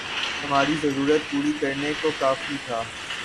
ہماری ضرورت پوری کرنے کو کافی تھا